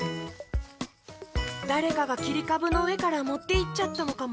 だれかがきりかぶのうえからもっていっちゃったのかも。